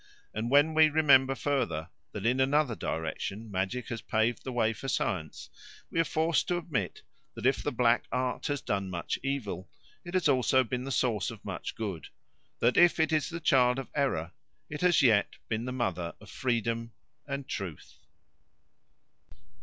And when we remember further that in another direction magic has paved the way for science, we are forced to admit that if the black art has done much evil, it has also been the source of much good; that if it is the child of error, it has yet been the mother of freedom and truth.